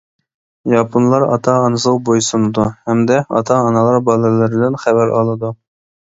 ياپونلار ئاتا-ئانىسىغا بوي سۇنىدۇ، ھەمدە ئاتا-ئانىلار بالىلىرىدىن خەۋەر ئالىدۇ.